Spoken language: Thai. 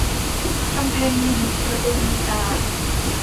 กำแพงมีหูประตูมีตา